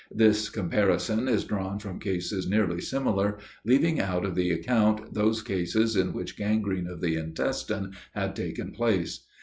This comparison is drawn from cases nearly similar, leaving out of the account those cases in which gangrene of the intestine had taken place.